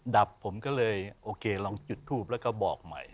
ดับผมก็เลยโอเคลองจุดทูปแล้วก็บอกใหม่